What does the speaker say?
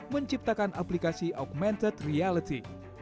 menciptakan aplikasi augmented reality